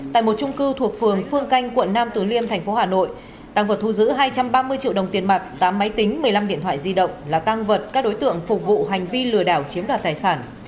tại một trung cư thuộc phường phương canh quận nam tứ liêm thành phố hà nội tăng vật thu giữ hai trăm ba mươi triệu đồng tiền mặt tám máy tính một mươi năm điện thoại di động là tăng vật các đối tượng phục vụ hành vi lừa đảo chiếm đoạt tài sản